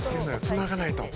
つながないと。